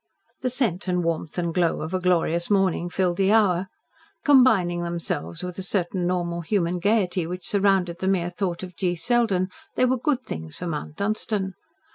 The scent and warmth and glow of a glorious morning filled the hour. Combining themselves with a certain normal human gaiety which surrounded the mere thought of G. Selden, they were good things for Mount Dunstan.